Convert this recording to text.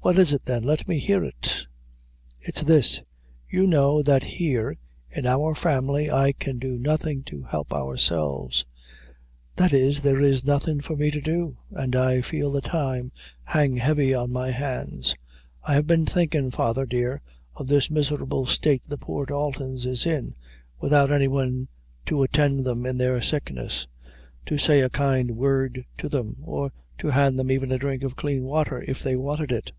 "What is it then? let me hear it." "It's this: you know that here, in our family I can do nothing to help ourselves that is, there is nothing for me to do an' I feel the time hang heavy on my hands. I have been thinkin', father dear, of this miserable state the poor Daltons is in, without any one to attend them in their sickness to say a kind word to them, or to hand them even a drink of clean water, if they wanted it.